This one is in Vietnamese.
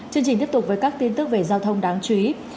chương trình tiếp tục với các tin tức về giao thông đáng chú ý